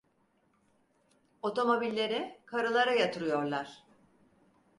Otomobillere, karılara yatırıyorlar.